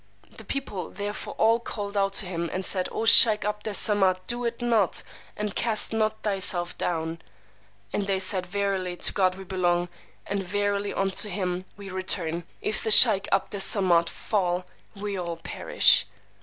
The people therefore all called out to him, and said, O sheykh 'Abd Es Samad, do it not, and cast not thyself down! And they said, Verily to God we belong, and verily unto him we return! If the sheykh 'Abd Es Samad fall, we all perish!